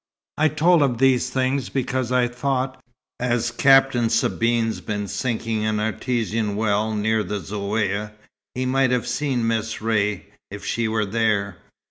"I told him these things, because I thought, as Captain Sabine's been sinking an artesian well near the Zaouïa, he might have seen Miss Ray, if she were there.